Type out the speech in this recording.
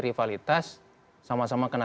rivalitas sama sama kena